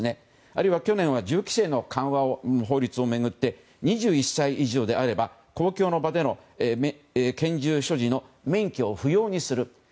あるいは去年は銃規制の緩和の法律を巡って２１歳以上であれば公共の場での拳銃所持の免許を不要にする。